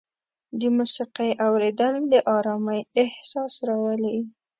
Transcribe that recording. د موسیقۍ اورېدل د ارامۍ احساس راولي.